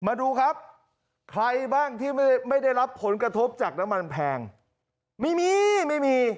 มาดูครับใครบ้างที่ไม่ได้รับผลกระทบจากน้ำมันแพงไม่มีไม่มี